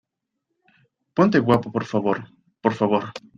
ponte guapo, por favor , por favor.